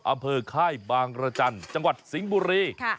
ค่ายบางรจันทร์จังหวัดสิงห์บุรี